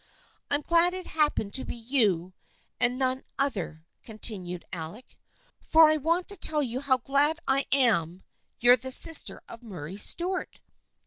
" I'm glad it happened to be you and none other," continued Alec, " for I want to tell you how glad I am you're the sister of Murray Stuart.